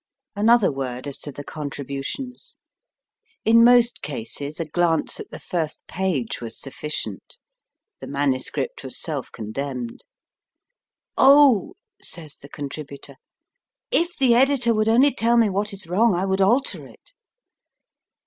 Another word as to the contributions. In most cases a io MY FIRST BOOK glance at the first page was sufficient. The MS. was self condemned. Oh ! says the contributor ; if the editor would only tell me what is wrong, I would alter it.